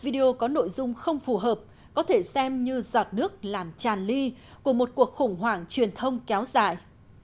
video có nội dung không phù hợp có thể xem như giọt nước làm tràn ly của một cuộc khủng hoảng truyền thông kéo dài